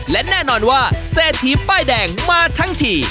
และแน่นอนว่าเศรษฐีป้ายแดงมาทั้งที